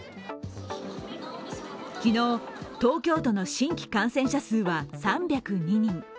昨日、東京都の新規感染者数は３０２人。